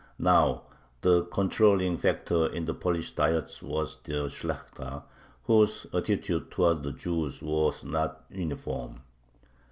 Now the controlling factor in the Polish Diets was the Shlakhta, whose attitude towards the Jews was not uniform.